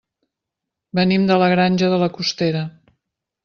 Venim de la Granja de la Costera.